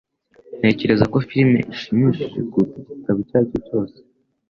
Ntekereza ko firime ishimishije kuruta igitabo icyo ari cyo cyose.